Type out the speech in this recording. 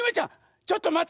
ちょっとまってて！